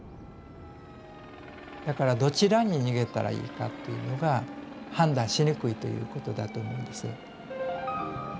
だからどちらに逃げたらいいかっていうのが判断しにくいということだと思うんです。